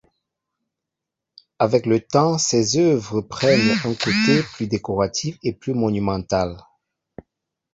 Avec le temps ses œuvres prennent un côté plus décoratif et plus monumental.